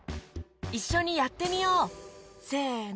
いっしょにやってみよう！せの。